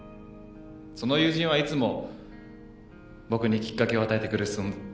その友人はいつも僕にきっかけを与えてくれる存。